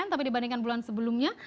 tapi dibandingkan bulan sebelumnya